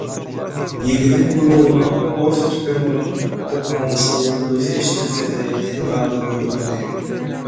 Ýigidiň gulagyna ors tüpeňiniň okunyň şuwwuldysy eşdilse-de eden zady bolmady.